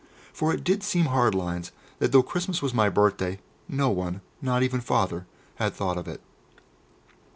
For it did seem hard lines that though Christmas was my birthday, no one, not even Father, had thought of it.